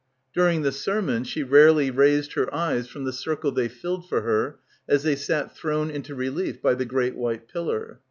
During the sermon she rarely raised her eyes from the circle they filled for her as they sat thrown into relief by the great white pillar.